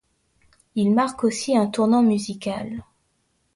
Il marque aussi un tournant musical.